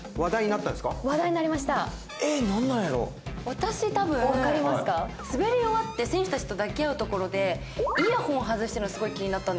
私たぶん滑り終わって選手たちと抱き合うところでイヤホン外してるのすごい気になったんですよ。